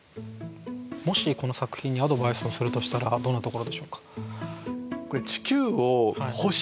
もしこの作品にアドバイスをするとしたらどんなところでしょうか。